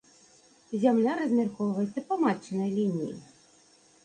Зямля размяркоўваецца па матчынай лініі.